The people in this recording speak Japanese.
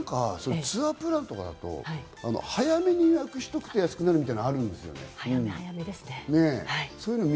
ツアープランとかだと早めに予約しておくと安いみたいなの、あるみたいなのね。